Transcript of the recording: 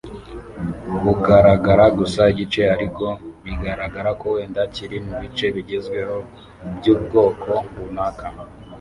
bugaragara gusa igice ariko bigaragara ko wenda kiri mubice bigezweho byubwoko runaka